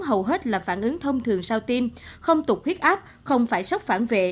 hầu hết là phản ứng thông thường sau tim không tục huyết áp không phải sốc phản vệ